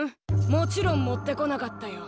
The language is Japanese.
もちろん持ってこなかったよ。